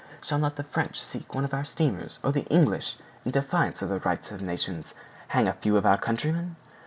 Shall not the French sink one of our steamers, or the English, in defiance of the rights of nations, hang a few of our countrymen?"